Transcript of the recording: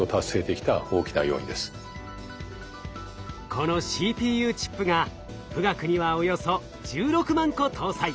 このＣＰＵチップが富岳にはおよそ１６万個搭載。